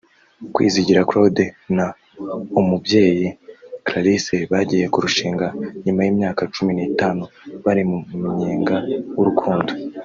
Kwizigira Claude na Umubyeyi Clarisse bagiye kurushinga nyuma y’imyaka cumi n’itanu bari mu munyenga w’urukundo